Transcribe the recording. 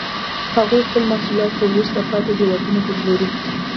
هغوی خپل محصولات په وروسته پاتې هېوادونو کې پلوري